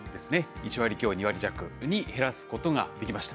１割強２割弱に減らすことができました。